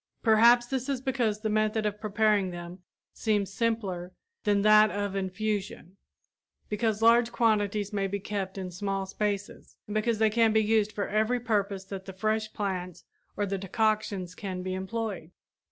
Perhaps this is because the method of preparing them seems simpler than that of infusion, because large quantities may be kept in small spaces, and because they can be used for every purpose that the fresh plants or the decoctions can be employed.